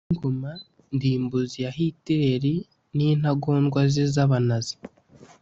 bw'ingoma ndimbuzi ya hiteleri n'intagondwa ze z'aba nazi.